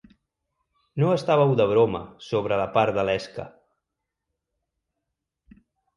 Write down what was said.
No estàveu de broma sobre la part de l'esca.